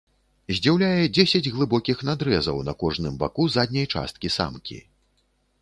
Здзіўляе дзесяць глыбокіх надрэзаў на кожным баку задняй часткі самкі.